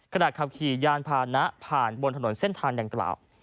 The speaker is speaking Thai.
ขณะขับขี่ยานพานะผ่านบนถนนเส้นทางดังกล่าว